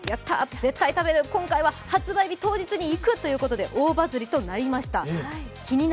絶対食べる今回は発売日当日に行く、と大バズリとなりました。